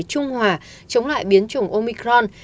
trung hòa chống lại omicron